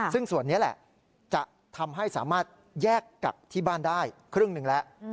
ซึ่งส่วนนี้แหละจะทำให้สามารถแยกกักที่บ้านได้ครึ่งหนึ่งแล้ว